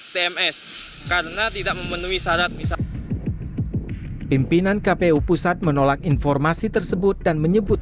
tms karena tidak memenuhi syarat misal pimpinan kpu pusat menolak informasi tersebut dan menyebut